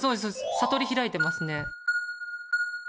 悟り開いてますね。